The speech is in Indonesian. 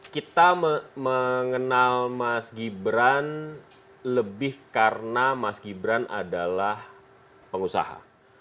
kita mengenal mas gibran lebih karena mas gibran adalah pengusaha